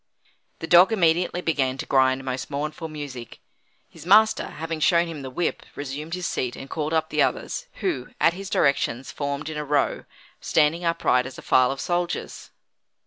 The dog immediately began to grind most mournful music. His master, having shown him the whip, resumed his seat and called up the others, who, at his directions, formed in a row, standing upright as a file of soldiers.